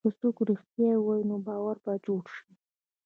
که څوک رښتیا ووایي، نو باور به جوړ شي.